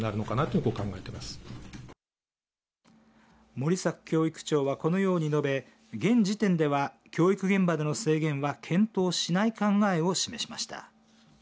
森作教育長はこのように述べ現時点では教育現場での制限は検討しない考えを示しました。